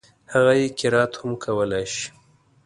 هغه يې قرائت هم کولای شي.